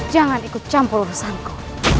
jangan ikut campur urusanku